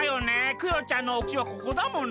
クヨちゃんのお口はここだもの。